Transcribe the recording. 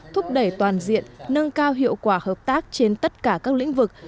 thúc đẩy toàn diện nâng cao hiệu quả hợp tác trên tất cả các lĩnh vực